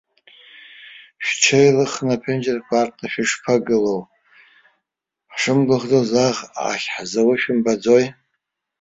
Шәҽеилыхны, аԥенџьырқәа аартны шәышԥалагылоу, ҳшымгәыӷӡауоз аӷ ахьҳзауы шәымбаӡои?